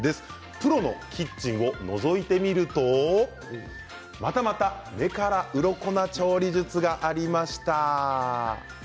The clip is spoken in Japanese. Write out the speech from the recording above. プロのキッチンをのぞいてみるとまたまた目からうろこの調理術がありました。